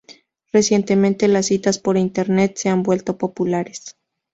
Recientemente las citas por Internet se han vuelto populares.